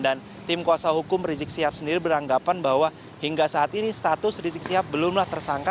dan tim kuasa hukum rizik syihab sendiri beranggapan bahwa hingga saat ini status rizik syihab belumlah tersangka